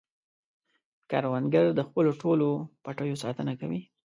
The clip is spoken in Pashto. کروندګر د خپلو ټولو پټیو ساتنه کوي